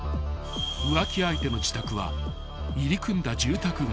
［浮気相手の自宅は入り組んだ住宅街］